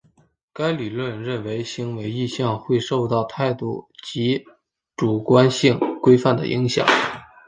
该理论认为行为意向会受到态度及主观性规范的影响。